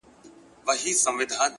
زما ځوانمرگ وماته وايي ـ